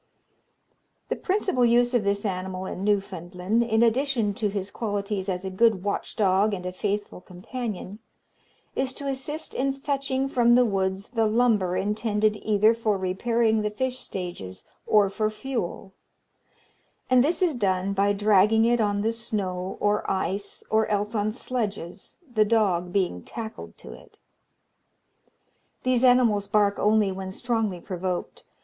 The principal use of this animal in Newfoundland, in addition to his qualities as a good watch dog and a faithful companion, is to assist in fetching from the woods the lumber intended either for repairing the fish stages, or for fuel; and this is done by dragging it on the snow or ice, or else on sledges, the dog being tackled to it. These animals bark only when strongly provoked.